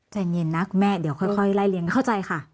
ใจเย็นนะคุณแม่เดี๋ยวค่อยไล่เลี้ยเข้าใจค่ะ